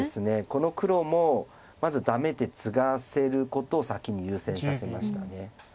この黒もまずダメでツガせることを先に優先させました。